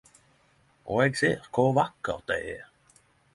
Og eg ser kor vakkert det er